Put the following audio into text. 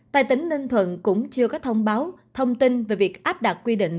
tại tỉnh ninh thuận cũng chưa có thông báo thông tin về việc áp đặt quy định